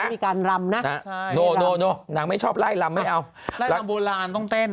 ไม่มีการรำนะโน่นางไม่ชอบไล่รำไม่เอาต้องเต้นไล่รำโบราณต้องเต้น